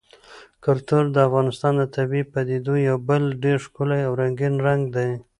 کلتور د افغانستان د طبیعي پدیدو یو بل ډېر ښکلی او رنګین رنګ دی.